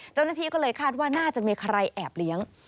เจ้าหน้าที่ก็เลยคาดว่าน่าจะมีใครแอบเลี้ยง